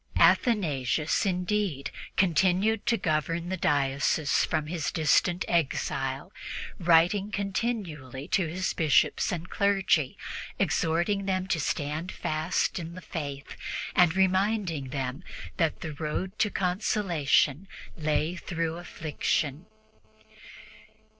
Athanasius, indeed, continued to govern the diocese from his distant exile, writing continually to his Bishops and clergy, exhorting them to stand fast in the Faith and reminding them that the road to consolation lay through affliction.